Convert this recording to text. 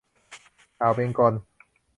อ่าวเบงกอล